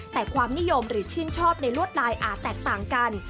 แต่ความนิยมหรือชื่นชอบในลวดลายอาจแตกต่างกัน